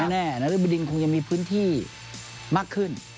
แน่นรึบดินคงจะมีพื้นที่มากขึ้น